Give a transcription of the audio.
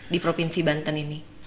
di provinsi banten ini